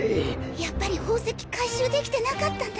やっぱり宝石回収できてなかったんだ。